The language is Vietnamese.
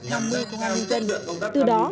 tham mưu công an nhân dân từ đó